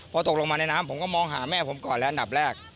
พอตกลงมาในน้ำผมก็มองหาแม่ผมก่อนและอันดับแรก